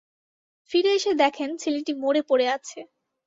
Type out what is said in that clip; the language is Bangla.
ফিরে এসে দেখেন ছেলেটি মরে পড়ে আছে।